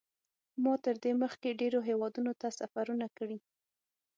ما تر دې مخکې ډېرو هېوادونو ته سفرونه کړي.